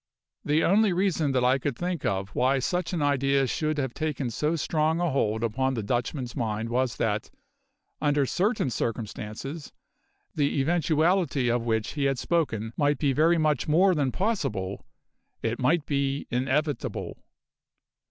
The only reason that I could think of why such an idea should have taken so strong a hold upon the Dutchman's mind was that, under certain circumstances, the eventuality of which he had spoken might be very much more than possible: it might be inevitable.